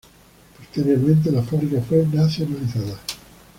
Posteriormente, la fábrica fue nacionalizada.